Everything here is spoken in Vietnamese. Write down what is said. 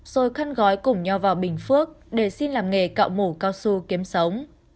rồi khăn gói củng nho vào bình phước để xin làm nghề cạo mổ cao su kiếm sống